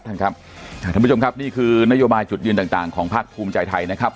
ท่านผู้ชมครับนี่คือนโยบายจุดยืนต่างของภาคภูมิใจไทยนะครับ